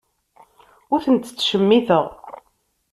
Ur tent-ttcemmiteɣ.